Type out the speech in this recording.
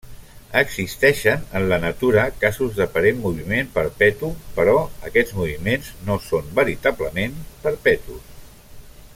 Existeixen en la natura casos d'aparent moviment perpetu, però aquests moviments no són veritablement perpetus.